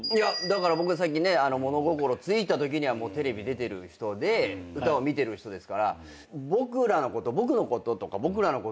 俺はさっき物心ついたときにはもうテレビ出てる人で歌を見てる人ですから僕のこととか僕らのことを。